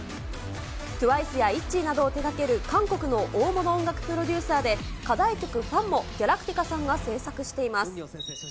ＴＷＩＣＥやＩＴＺＹなどを手がける韓国の大物音楽プロデューサーで、課題曲、ファンもギャラクティカさんが制作しています。